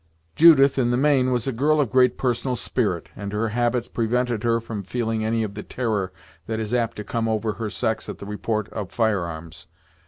Judith, in the main, was a girl of great personal spirit, and her habits prevented her from feeling any of the terror that is apt to come over her sex at the report of fire arms.